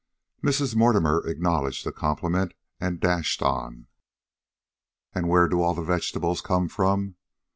Mrs. Mortimer acknowledged the compliment and dashed on. "And where do all the vegetables come from?